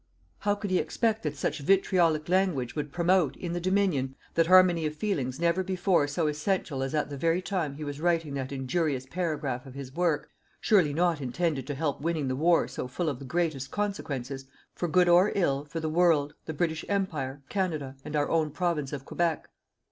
How could he expect that such vitriolic language would promote, in the Dominion, that harmony of feelings never before so essential as at the very time he was writing that injurious paragraph of his work, surely not intended to help winning the war so full of the greatest consequences, for good or ill, for the World, the British Empire, Canada, and our own Province of Quebec.